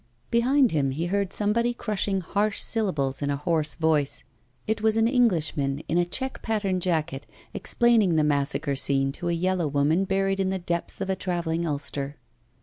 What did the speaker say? Behind him he heard somebody crushing harsh syllables in a hoarse voice. It was an Englishman in a check pattern jacket, explaining the massacre scene to a yellow woman buried in the depths of a travelling ulster.